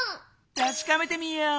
たしかめてみよう！